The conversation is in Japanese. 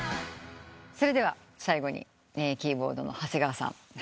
それでは最後にキーボードの長谷川さん。